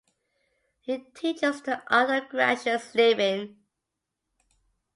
He teaches the art of gracious living.